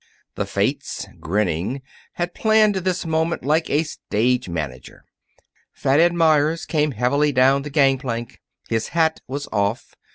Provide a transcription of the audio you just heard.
The fates, grinning, had planned this moment like a stage manager. Fat Ed Meyers came heavily down the gangplank. His hat was off.